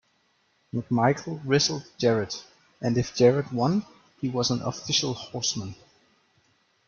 McMichael wrestled Jarrett, and if Jarrett won, he was an official Horseman.